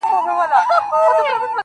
څخه چي څه ووايم څنگه درته ووايم چي.